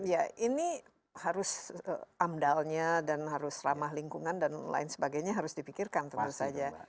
ya ini harus amdalnya dan harus ramah lingkungan dan lain sebagainya harus dipikirkan tentu saja